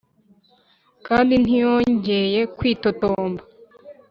kandi ntiyongeye kwitotomba.